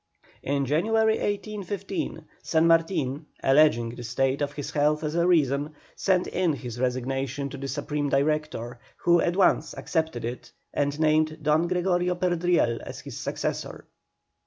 In January, 1815, San Martin, alleging the state of his health as a reason, sent in his resignation to the Supreme Director, who at once accepted it and named Don Gregorio Perdriel as his successor.